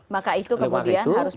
maka itu kemudian harus masuk parlemen